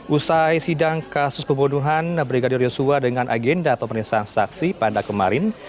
usai sidang kasus pembunuhan brigadir yosua dengan agenda pemeriksaan saksi pada kemarin